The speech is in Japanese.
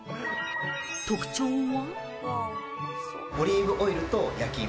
特徴は？